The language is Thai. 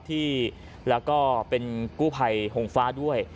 ที่แล้วก็เป็นกู้ภัยหงฟ้าด้วย